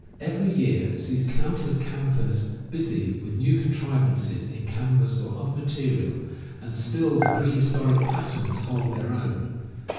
Every year sees count less campers busy with new contrivances in canvas or other material — and still the prehistoric patterns hold their own.